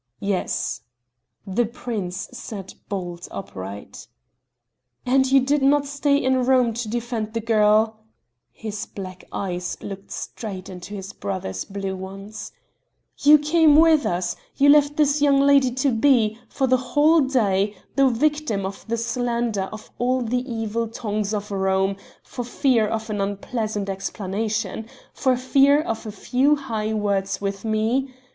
"Yes." The prince sat bolt upright. "And you did not stay in Rome to defend the girl?" His black eyes looked straight into his brother's blue ones. "You came with us? You left this young lady to be, for the whole day, the victim of the slander of all the evil tongues of Rome, for fear of an unpleasant explanation for fear of a few high words with me?